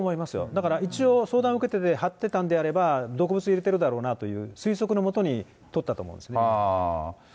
だから一応、相談受けてて、張ってたんであれば、毒物入れてるだろうなという推測のもとに取ったと思いますね。